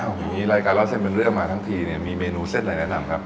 อย่างนี้รายการเล่าเส้นเป็นเรื่องมาทั้งทีเนี่ยมีเมนูเส้นอะไรแนะนำครับ